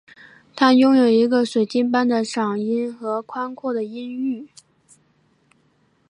她拥有一个水晶般的嗓音和宽阔的音域。